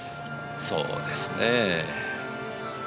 そうですねぇ。